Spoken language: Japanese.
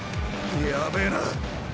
やべぇな。